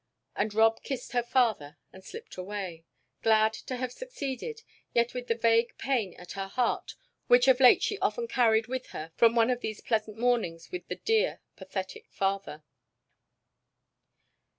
And Rob kissed her father, and slipped away, glad to have succeeded, yet with the vague pain at her heart which of late she often carried with her from one of these pleasant mornings with the dear, pathetic father.